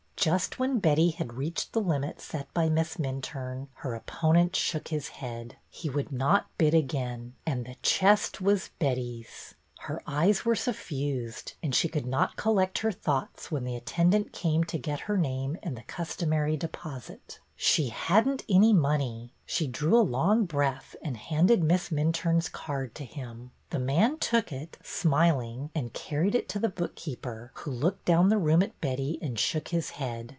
Just when Betty had reached the limit set by Miss Minturne, her opponent shook his head. He would not bid again. And the chest was Betty's 1 Her eyes were suffused, and she could not collect her thoughts when the attendant came to get her name and the customary deposit. She had n't any money ! She drew a long breath and handed Miss Minturne's card to him. The man took it, smil ing, and carried it to the bookkeeper, who looked down the room at Betty and shook his head.